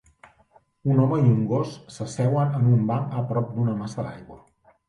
Un home i un gos s'asseuen en un banc a prop d'una massa d'aigua